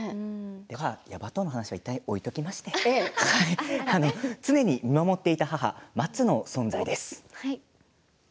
ヤバ藤の話しはいったん置いておきまして常に見守っていた母、まつの存在です。